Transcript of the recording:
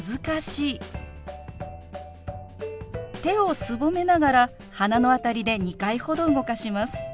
手をすぼめながら鼻の辺りで２回ほど動かします。